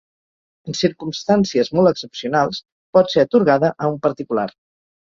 En circumstàncies molt excepcionals pot ser atorgada a un particular.